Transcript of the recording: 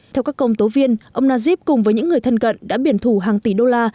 theo các công tố viên ông najib cùng với những người thân cận đã biển thủ hàng tỷ đô la